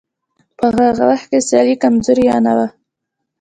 په هغه وخت کې سیالي کمزورې یا نه وه.